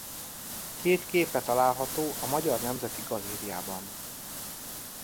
Két képe található a Magyar Nemzeti Galériában.